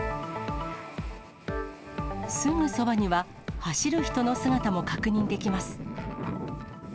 すぐそばには、走る人の姿も確認できます。